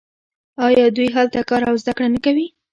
آیا دوی هلته کار او زده کړه نه کوي؟